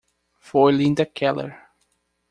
Foi Linda Keller!